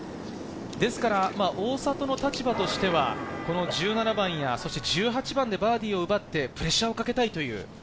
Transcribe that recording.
ですから、大里の立場としては、１７番や、そして１８番でバーディーを奪ってプレッシャーをかけたいという。